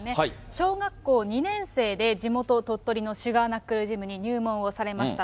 小学校２年生で地元、鳥取のシュガーナックルジムに入門をされました。